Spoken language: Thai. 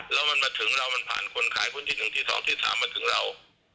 แล้วมันมาถึงเรามันผ่านคนขายคนที่๑ที่๒ที่๓มาถึงเรา